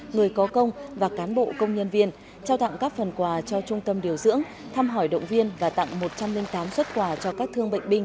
người có công và cán bộ công nhân viên trao tặng các phần quà cho trung tâm điều dưỡng thăm hỏi động viên và tặng một trăm linh tám xuất quà cho các thương bệnh binh